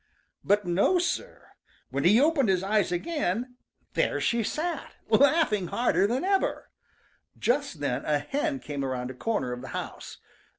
But no, Sir! When he opened his eyes again, there she sat, laughing harder than ever. Just then a hen came around a corner of the house.